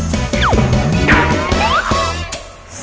แต่ถ้า๒๙ตัวประเมิดถ้าน้อยกว่า๒๙ปั้นปั้นจะเป็นใบพะนะครับ